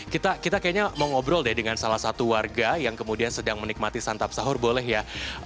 kita kayaknya mau ngobrol deh dengan salah satu warga yang kemudian sedang menikmati santap sahur boleh ya